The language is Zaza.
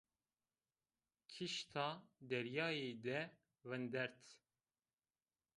Kîşta deryayî de vindert